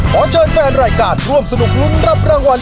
ขอเชิญแฟนรายการร่วมสนุกลุ้นรับรางวัล